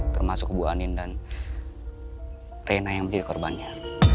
termasuk bu andin dan reina yang menjadi korbannya